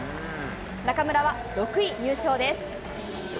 中村は６位入賞です。